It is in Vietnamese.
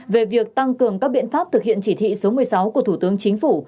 về việc tăng cường các biện pháp thực hiện chỉ thị số một mươi sáu của thủ tướng chính phủ